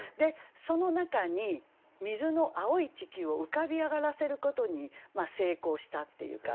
その中に水の青い地球を浮かび上がらせることに成功したっていうか。